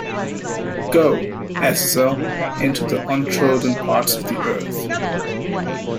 Go, Azazel, into the untrodden parts of the earth.